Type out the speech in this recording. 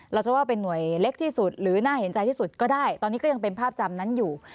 เราจะว่าเป็นหน่วยเล็กที่สุดหรือน่าเห็นใจที่สุดก็ได้ตอนนี้ก็ยังเป็นภาพจำนั้นอยู่